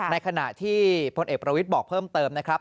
ในขณะที่พลเอกประวิทย์บอกเพิ่มเติมนะครับ